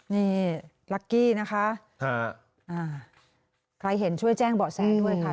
นี่ลักกี้นะคะใครเห็นช่วยแจ้งเบาะแสด้วยค่ะ